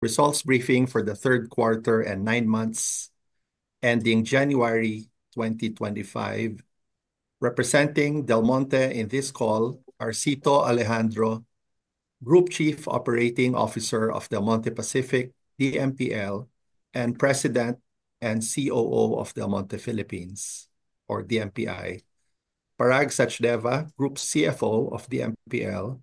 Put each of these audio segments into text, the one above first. Results briefing for the Q3 and nine months, ending January 2025. Representing Del Monte in this call are Cito Alejandro, Group Chief Operating Officer of Del Monte Pacific, DMPL, and President and COO of Del Monte Philippines, or DMPI; Parag Sachdeva, Group CFO of DMPL;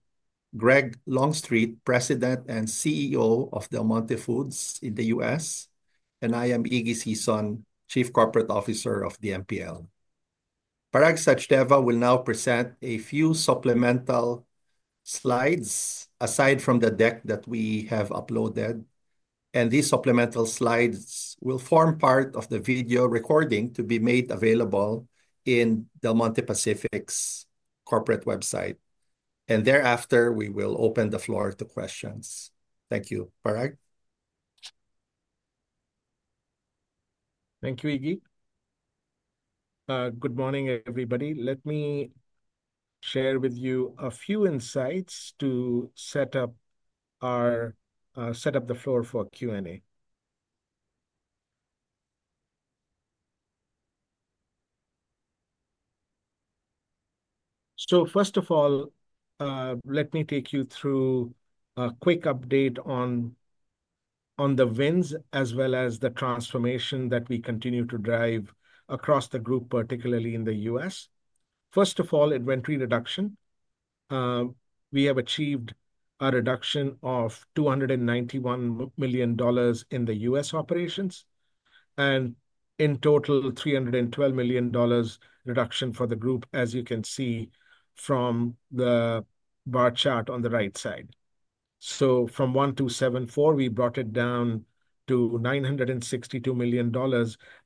Greg Longstreet, President and CEO of Del Monte Foods in the U.S.; and I am Iggy Sison, Chief Corporate Officer of DMPL. Parag Sachdeva will now present a few supplemental slides aside from the deck that we have uploaded, and these supplemental slides will form part of the video recording to be made available in Del Monte Pacific's corporate website. Thereafter, we will open the floor to questions. Thank you. Parag? Thank you, Iggy. Good morning, everybody. Let me share with you a few insights to set up the floor for Q&A. First of all, let me take you through a quick update on the wins as well as the transformation that we continue to drive across the group, particularly in the U.S. First of all, inventory reduction. We have achieved a reduction of $291 million in the U.S. operations and in total, $312 million reduction for the group, as you can see from the bar chart on the right side. From $1,274 million, we brought it down to $962 million.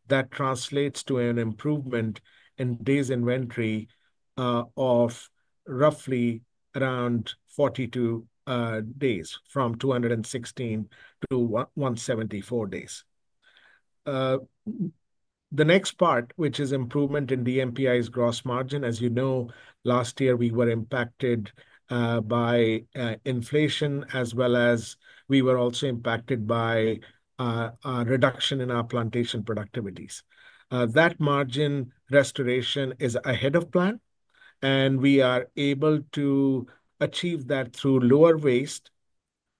That translates to an improvement in days inventory of roughly around 42 days, from 216 to 174 days. The next part, which is improvement in DMPI's gross margin, as you know, last year we were impacted by inflation, as well as we were also impacted by a reduction in our plantation productivities. That margin restoration is ahead of plan, and we are able to achieve that through lower waste,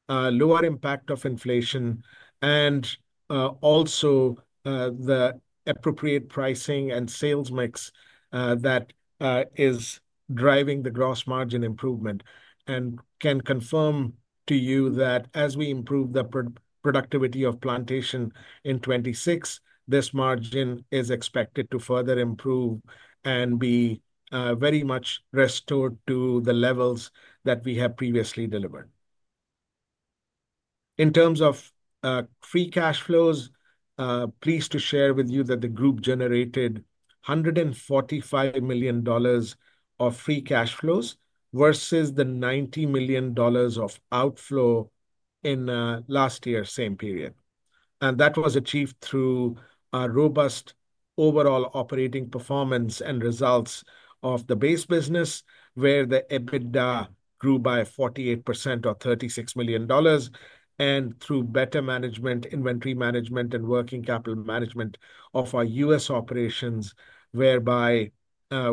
lower impact of inflation, and also the appropriate pricing and sales mix that is driving the gross margin improvement. I can confirm to you that as we improve the productivity of plantation in 2026, this margin is expected to further improve and be very much restored to the levels that we have previously delivered. In terms of free cash flows, pleased to share with you that the group generated $145 million of free cash flows versus the $90 million of outflow in last year's same period. That was achieved through robust overall operating performance and results of the base business, where the EBITDA grew by 48% or $36 million, and through better management, inventory management, and working capital management of our U.S. operations, whereby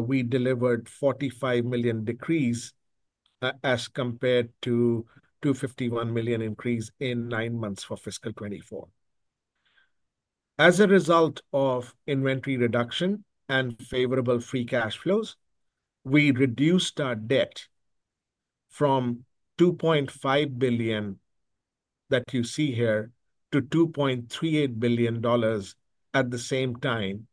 we delivered a $45 million decrease as compared to a $251 million increase in nine months for fiscal 2024. As a result of inventory reduction and favorable free cash flows, we reduced our debt from $2.5 billion that you see here to $2.38 billion at the same time,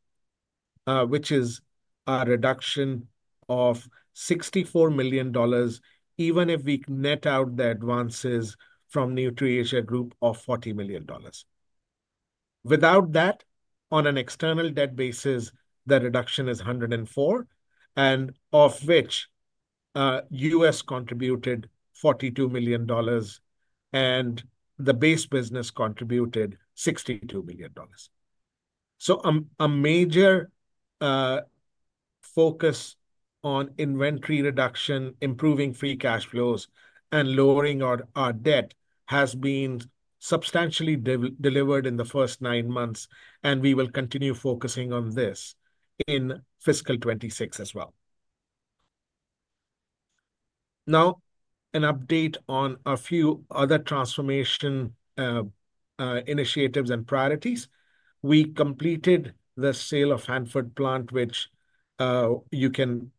which is a reduction of $64 million, even if we net out the advances from NutriAsia Group of $40 million. Without that, on an external debt basis, the reduction is $104 million, and of which U.S. contributed $42 million and the base business contributed $62 million. A major focus on inventory reduction, improving free cash flows, and lowering our debt has been substantially delivered in the first nine months, and we will continue focusing on this in fiscal 2026 as well. Now, an update on a few other transformation initiatives and priorities. We completed the sale of Hanford Plant, which you can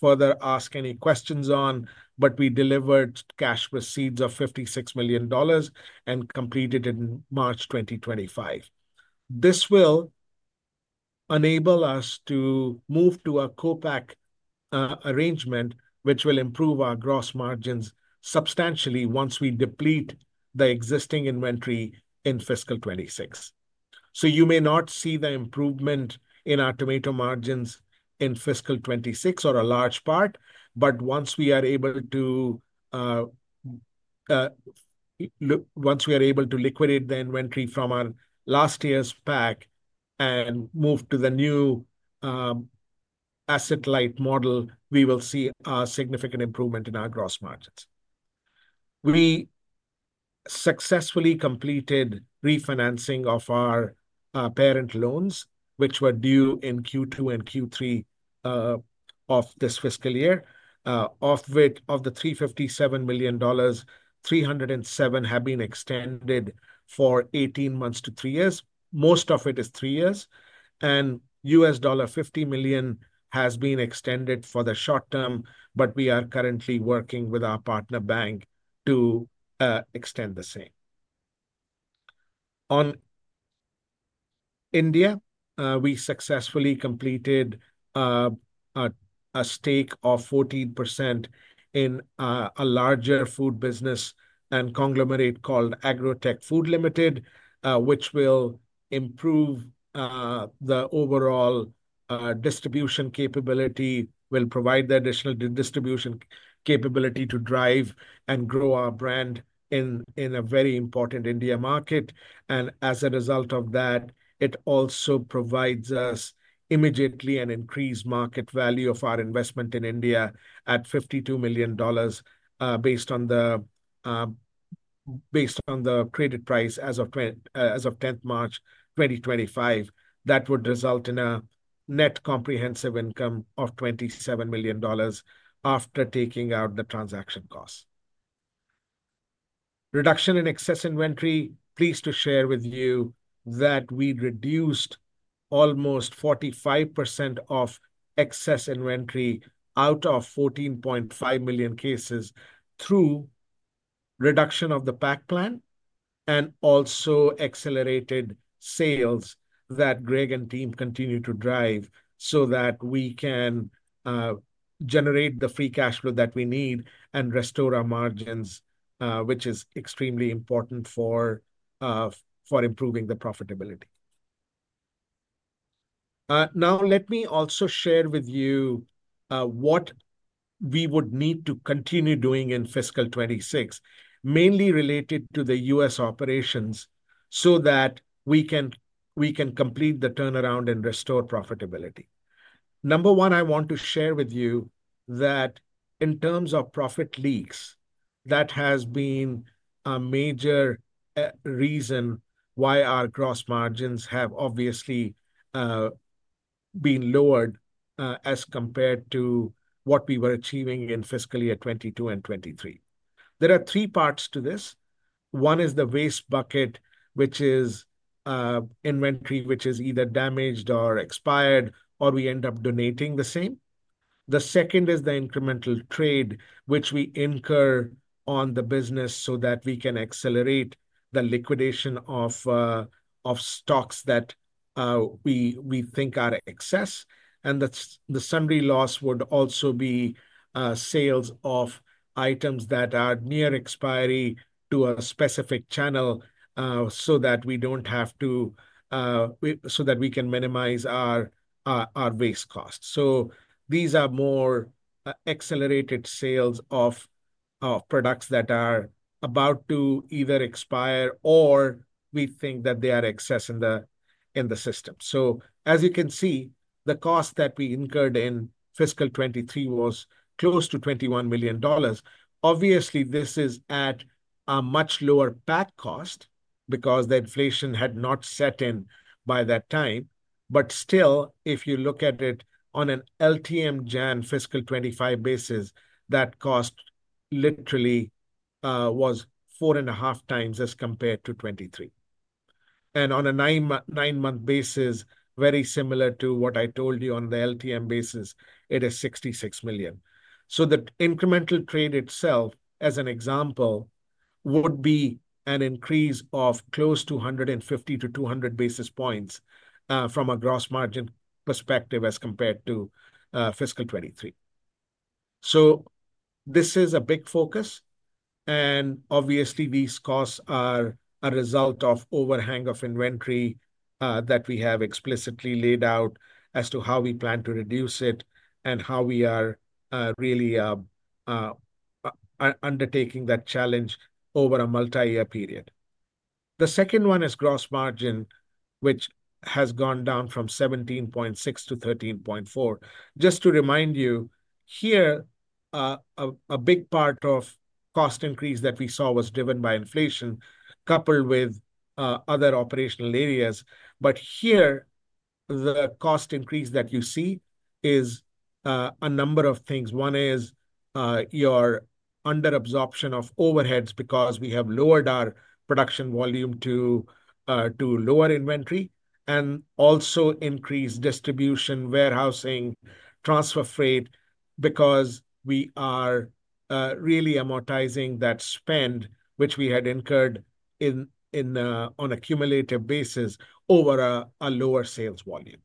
further ask any questions on, but we delivered cash receipts of $56 million and completed it in March 2025. This will enable us to move to a co-pack arrangement, which will improve our gross margins substantially once we deplete the existing inventory in fiscal 2026. You may not see the improvement in our tomato margins in fiscal 2026 or a large part, but once we are able to liquidate the inventory from our last year's pack and move to the new asset-light model, we will see a significant improvement in our gross margins. We successfully completed refinancing of our parent loans, which were due in Q2 and Q3 of this fiscal year. Of the $357 million, $307 million have been extended for 18 months to 3 years. Most of it is 3 years. U.S. $50 million has been extended for the short term, but we are currently working with our partner bank to extend the same. On India, we successfully completed a stake of 14% in a larger food business and conglomerate called Agro Tech Foods Limited, which will improve the overall distribution capability, will provide the additional distribution capability to drive and grow our brand in a very important India market. As a result of that, it also provides us immediately an increased market value of our investment in India at $52 million based on the credit price as of 10th March 2025. That would result in a net comprehensive income of $27 million after taking out the transaction costs. Reduction in excess inventory, pleased to share with you that we reduced almost 45% of excess inventory out of 14.5 million cases through reduction of the pack plan and also accelerated sales that Greg and team continue to drive so that we can generate the free cash flow that we need and restore our margins, which is extremely important for improving the profitability. Now, let me also share with you what we would need to continue doing in fiscal 2026, mainly related to the U.S. operations so that we can complete the turnaround and restore profitability. Number one, I want to share with you that in terms of profit leaks, that has been a major reason why our gross margins have obviously been lowered as compared to what we were achieving in fiscal year 2022 and 2023. There are three parts to this. One is the waste bucket, which is inventory which is either damaged or expired, or we end up donating the same. The second is the incremental trade, which we incur on the business so that we can accelerate the liquidation of stocks that we think are excess. The summary loss would also be sales of items that are near expiry to a specific channel so that we can minimize our waste costs. These are more accelerated sales of products that are about to either expire or we think that they are excess in the system. As you can see, the cost that we incurred in fiscal 2023 was close to $21 million. Obviously, this is at a much lower pack cost because the inflation had not set in by that time. Still, if you look at it on an LTM January fiscal 2025 basis, that cost literally was four and a half times as compared to 2023. On a nine-month basis, very similar to what I told you on the LTM basis, it is $66 million. The incremental trade itself, as an example, would be an increase of close to 150-200 basis points from a gross margin perspective as compared to fiscal 2023. This is a big focus. Obviously, these costs are a result of overhang of inventory that we have explicitly laid out as to how we plan to reduce it and how we are really undertaking that challenge over a multi-year period. The second one is gross margin, which has gone down from 17.6% to 13.4%. Just to remind you, here, a big part of cost increase that we saw was driven by inflation coupled with other operational areas. Here, the cost increase that you see is a number of things. One is your underabsorption of overheads because we have lowered our production volume to lower inventory and also increased distribution, warehousing, transfer freight because we are really amortizing that spend, which we had incurred on a cumulative basis over a lower sales volume.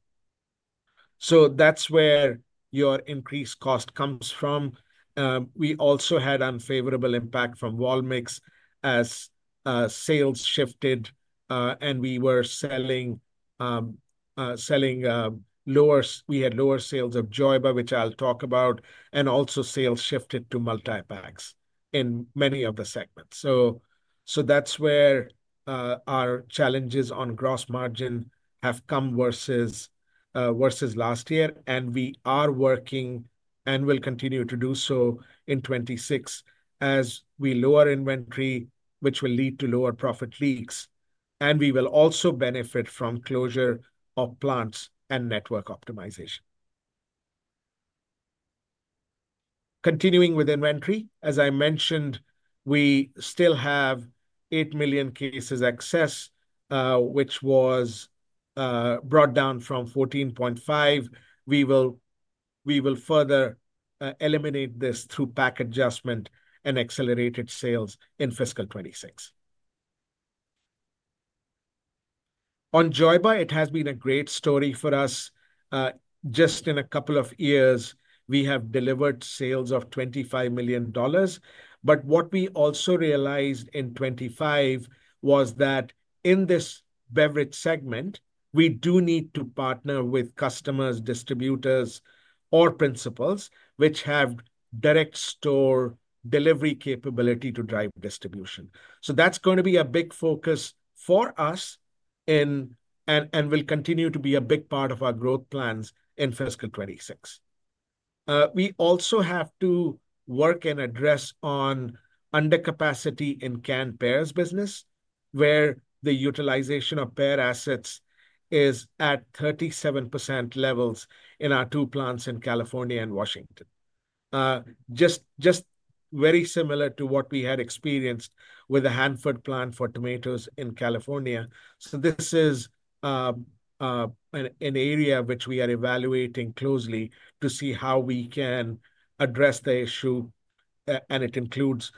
That is where your increased cost comes from. We also had unfavorable impact from Walmex as sales shifted, and we were selling lower, we had lower sales of Joyba, which I'll talk about, and also sales shifted to multi-packs in many of the segments. That is where our challenges on gross margin have come versus last year. We are working and will continue to do so in 2026 as we lower inventory, which will lead to lower profit leaks. We will also benefit from closure of plants and network optimization. Continuing with inventory, as I mentioned, we still have 8 million cases excess, which was brought down from 14.5 million. We will further eliminate this through pack adjustment and accelerated sales in fiscal 2026. On Joyba, it has been a great story for us. Just in a couple of years, we have delivered sales of $25 million. What we also realized in 2025 was that in this beverage segment, we do need to partner with customers, distributors, or principals, which have direct store delivery capability to drive distribution. That is going to be a big focus for us and will continue to be a big part of our growth plans in fiscal 2026. We also have to work and address on undercapacity in canned pears business, where the utilization of pear assets is at 37% levels in our two plants in California and Washington. Just very similar to what we had experienced with the Hanford plant for tomatoes in California. This is an area which we are evaluating closely to see how we can address the issue. It includes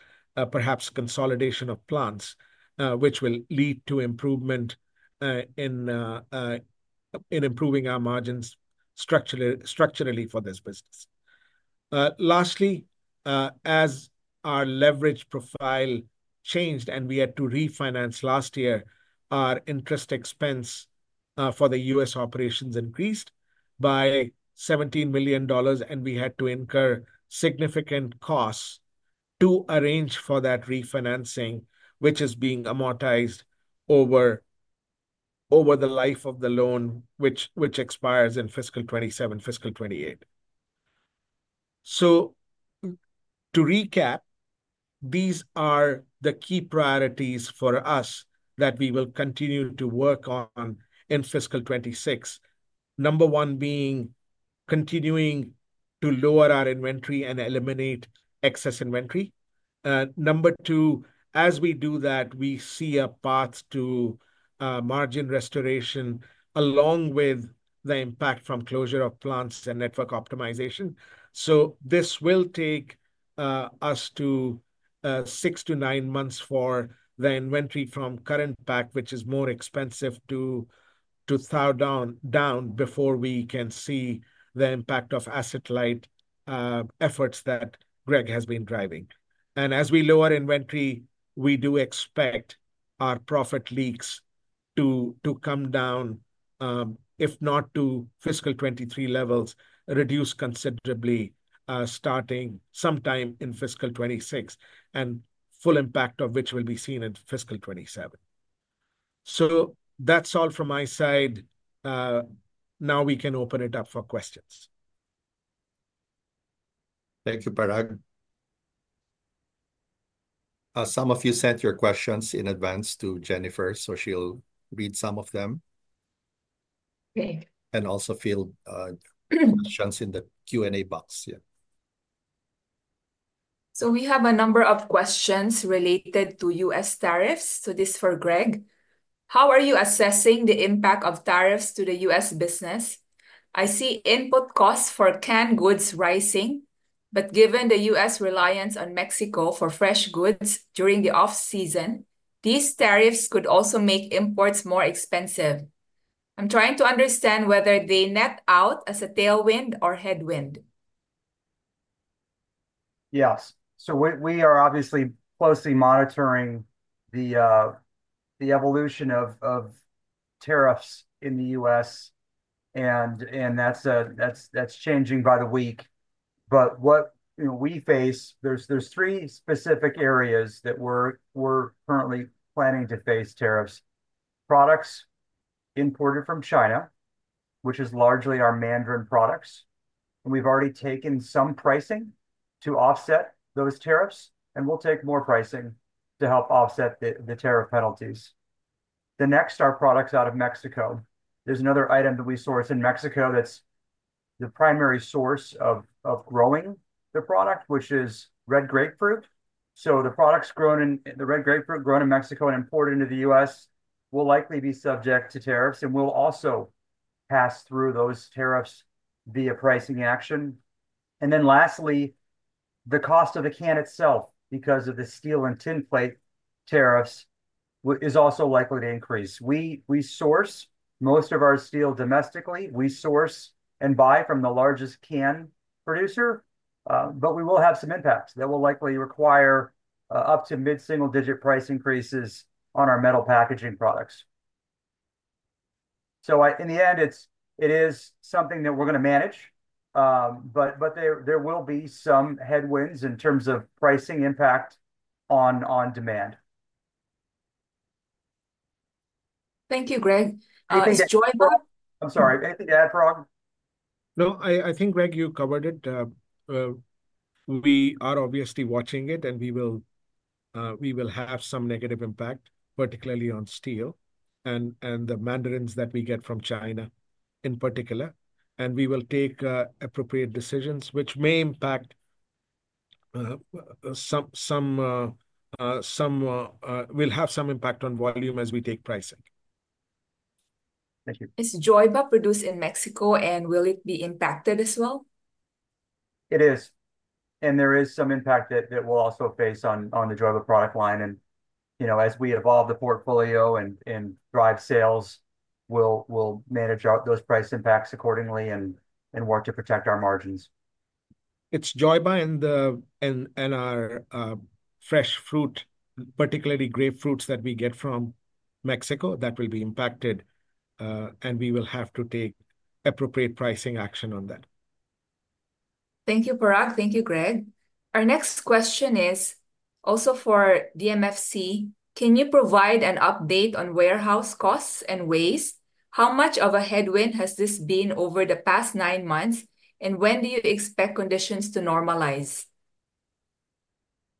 perhaps consolidation of plants, which will lead to improvement in improving our margins structurally for this business. Lastly, as our leverage profile changed and we had to refinance last year, our interest expense for the U.S. operations increased by $17 million, and we had to incur significant costs to arrange for that refinancing, which is being amortized over the life of the loan, which expires in fiscal 2027, fiscal 2028. To recap, these are the key priorities for us that we will continue to work on in fiscal 2026. Number one being continuing to lower our inventory and eliminate excess inventory. Number two, as we do that, we see a path to margin restoration along with the impact from closure of plants and network optimization. This will take us 6 to 9 months for the inventory from current pack, which is more expensive to thaw down before we can see the impact of asset-light efforts that Greg has been driving. As we lower inventory, we do expect our profit leaks to come down, if not to fiscal 2023 levels, reduce considerably starting sometime in fiscal 2026, and full impact of which will be seen in fiscal 2027. That's all from my side. Now we can open it up for questions. Thank you, Parag. Some of you sent your questions in advance to Jennifer, so she'll read some of them. She'll also field questions in the Q&A box. We have a number of questions related to U.S. tariffs. This is for Greg. How are you assessing the impact of tariffs to the U.S. business? I see input costs for canned goods rising, but given the U.S. reliance on Mexico for fresh goods during the off-season, these tariffs could also make imports more expensive. I'm trying to understand whether they net out as a tailwind or headwind. Yes. We are obviously closely monitoring the evolution of tariffs in the U.S. and that's changing by the week. What we face, there are three specific areas that we're currently planning to face tariffs. Products imported from China, which is largely our mandarin products. We've already taken some pricing to offset those tariffs, and we'll take more pricing to help offset the tariff penalties. The next are products out of Mexico. There's another item that we source in Mexico that's the primary source of growing the product, which is red grapefruit. The red grapefruit grown in Mexico and imported into the U.S. will likely be subject to tariffs and we will also pass through those tariffs via pricing action. Lastly, the cost of the can itself because of the steel and tinplate tariffs is also likely to increase. We source most of our steel domestically. We source and buy from the largest can producer, but we will have some impacts that will likely require up to mid-single-digit price increases on our metal packaging products. It is something that we're going to manage, but there will be some headwinds in terms of pricing impact on demand. Thank you, Greg. I'm sorry. Anything to add, Parag? No, I think, Greg, you covered it. We are obviously watching it, and we will have some negative impact, particularly on steel and the mandarins that we get from China in particular. We will take appropriate decisions, which may impact some will have some impact on volume as we take pricing. Thank you. Is Joyba produced in Mexico, and will it be impacted as well? It is. There is some impact that we'll also face on the Joyba product line. As we evolve the portfolio and drive sales, we'll manage those price impacts accordingly and work to protect our margins. It's Joyba and our fresh fruit, particularly grapefruits that we get from Mexico, that will be impacted, and we will have to take appropriate pricing action on that. Thank you, Parag. Thank you, Greg. Our next question is also for DMFC. Can you provide an update on warehouse costs and waste? How much of a headwind has this been over the past 9 months, and when do you expect conditions to normalize?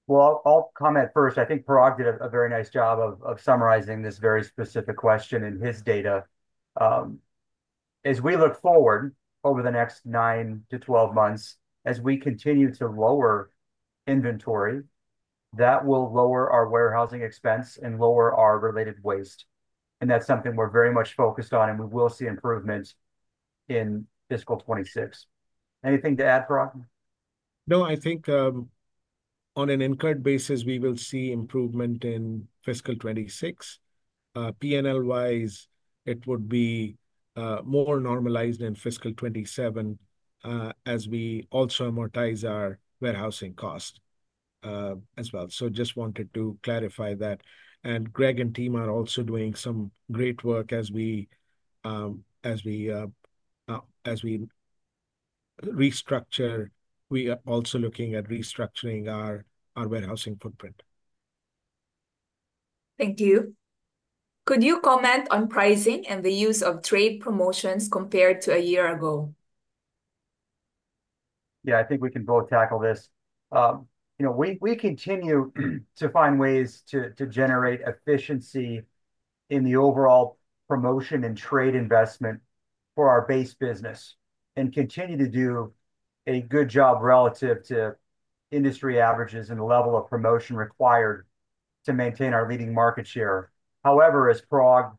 I think Parag did a very nice job of summarizing this very specific question and his data. As we look forward over the next 9 to 12 months, as we continue to lower inventory, that will lower our warehousing expense and lower our related waste. That is something we are very much focused on, and we will see improvements in fiscal 2026. Anything to add, Parag? No, I think on an incurred basis, we will see improvement in fiscal 2026. P&L-wise, it would be more normalized in fiscal 2027 as we also amortize our warehousing cost as well. I just wanted to clarify that. Greg and team are also doing some great work as we restructure. We are also looking at restructuring our warehousing footprint. Thank you. Could you comment on pricing and the use of trade promotions compared to a year ago? Yeah, I think we can both tackle this. We continue to find ways to generate efficiency in the overall promotion and trade investment for our base business and continue to do a good job relative to industry averages and the level of promotion required to maintain our leading market share. However, as Parag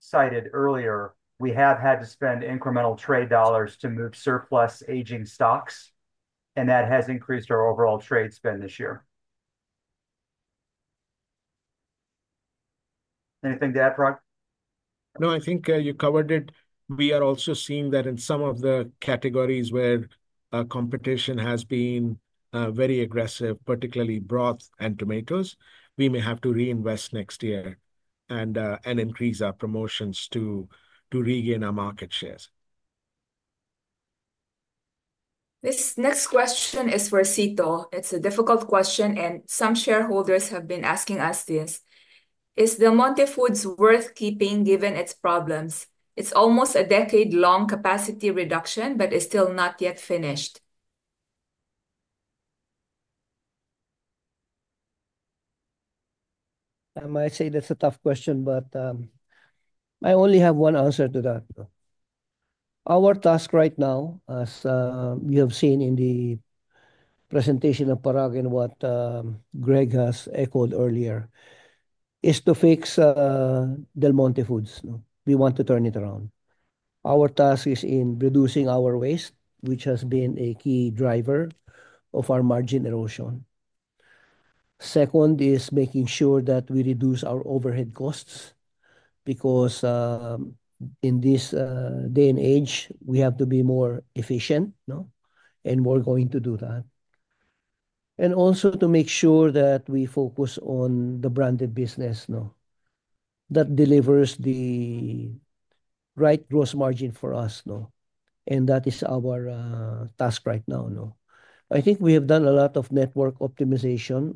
cited earlier, we have had to spend incremental trade dollars to move surplus aging stocks, and that has increased our overall trade spend this year. Anything to add, Parag? No, I think you covered it. We are also seeing that in some of the categories where competition has been very aggressive, particularly broth and tomatoes, we may have to reinvest next year and increase our promotions to regain our market shares. This next question is for Cito. It's a difficult question, and some shareholders have been asking us this. Is Del Monte Foods worth keeping given its problems? It's almost a decade-long capacity reduction, but it's still not yet finished. I might say that's a tough question, but I only have one answer to that. Our task right now, as you have seen in the presentation of Parag and what Greg has echoed earlier, is to fix Del Monte Foods. We want to turn it around. Our task is in reducing our waste, which has been a key driver of our margin erosion. Second is making sure that we reduce our overhead costs because in this day and age, we have to be more efficient, and we're going to do that. Also to make sure that we focus on the branded business that delivers the right gross margin for us. That is our task right now. I think we have done a lot of network optimization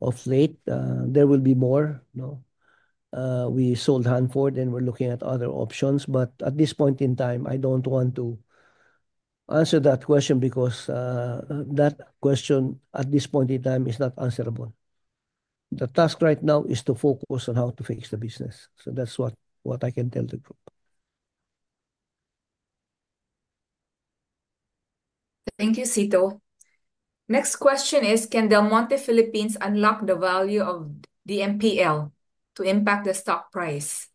of late. There will be more. We sold Hanford, and we're looking at other options. At this point in time, I don't want to answer that question because that question at this point in time is not answerable. The task right now is to focus on how to fix the business. That's what I can tell the group. Thank you, Cito. Next question is, can Del Monte Philippines unlock the value of DMPL to impact the stock price?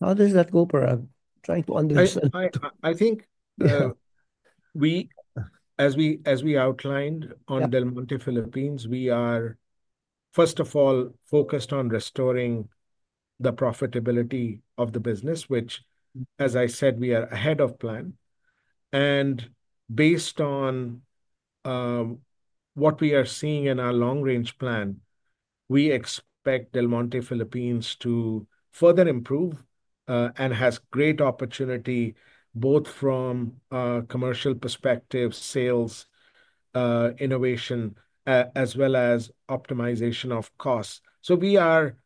How does that go, Parag? Trying to understand. As we outlined on Del Monte Philippines, we are, first of all, focused on restoring the profitability of the business, which, as I said, we are ahead of plan. Based on what we are seeing in our long-range plan, we expect Del Monte Philippines to further improve and has great opportunity both from a commercial perspective, sales innovation, as well as optimization of costs. We are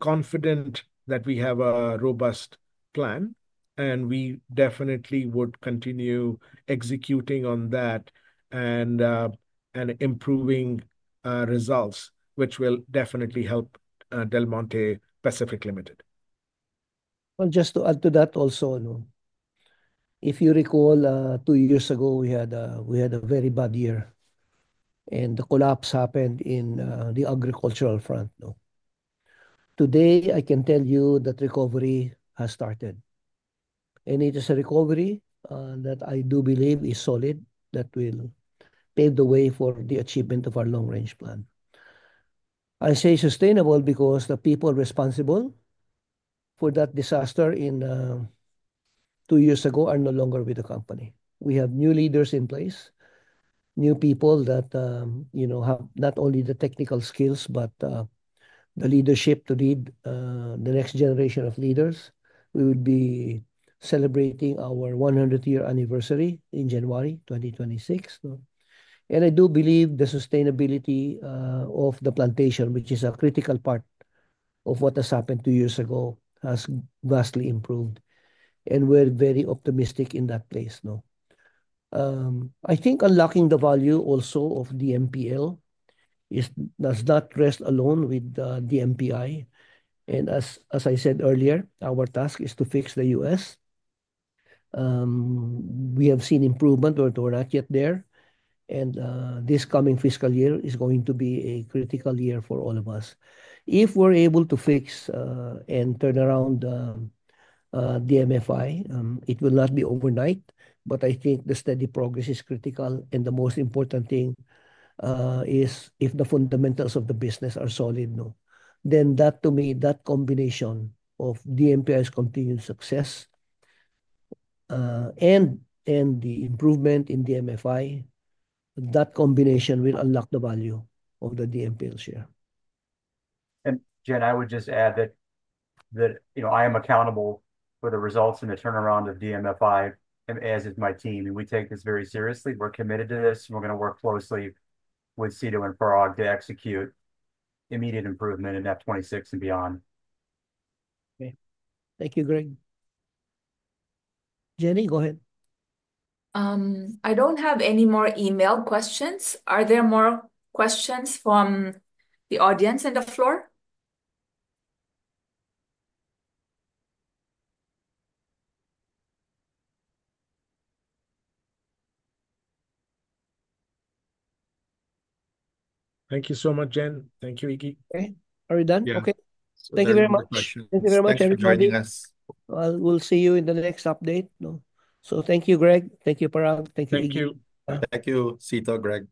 confident that we have a robust plan, and we definitely would continue executing on that and improving results, which will definitely help Del Monte Pacific Limited. Just to add to that also, if you recall, two years ago, we had a very bad year, and the collapse happened in the agricultural front. Today, I can tell you that recovery has started. It is a recovery that I do believe is solid that will pave the way for the achievement of our long-range plan. I say sustainable because the people responsible for that disaster two years ago are no longer with the company. We have new leaders in place, new people that have not only the technical skills but the leadership to lead the next generation of leaders. We will be celebrating our 100-year anniversary in January 2026. I do believe the sustainability of the plantation, which is a critical part of what has happened two years ago, has vastly improved. We are very optimistic in that place. I think unlocking the value also of the MPL does not rest alone with the DMPI. As I said earlier, our task is to fix the U.S. We have seen improvement, but we are not yet there. This coming fiscal year is going to be a critical year for all of us. If we're able to fix and turn around the DMFI, it will not be overnight, but I think the steady progress is critical. The most important thing is if the fundamentals of the business are solid. To me, that combination of DMPI's continued success and the improvement in DMFI, that combination will unlock the value of the DMPL share. Jen, I would just add that I am accountable for the results and the turnaround of DMFI, as is my team. We take this very seriously. We're committed to this, and we're going to work closely with Cito and Parag to execute immediate improvement in F 2026 and beyond. Okay. Thank you, Greg. Jenny, go ahead. I don't have any more email questions. Are there more questions from the audience in the floor? Thank you so much, Jen. Thank you, Iggy. Are we done? Yeah. Okay. Thank you very much. Thank you very much, everybody. We'll see you in the next update. Thank you, Greg. Thank you, Parag. Thank you, Iggy. Thank you. Thank you, Cito, Greg.